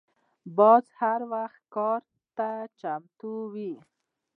باز هر وخت ښکار ته چمتو وي